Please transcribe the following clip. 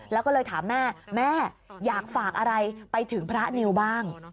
แล้วก็เลยถามแม่แม่อยากฝากอะไรไปถึงพระนิวบ้าง